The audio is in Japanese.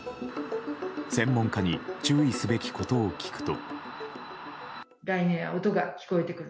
専門家に注意すべきことを聞くと。